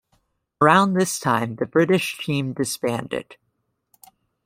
Around this time, the British team disbanded.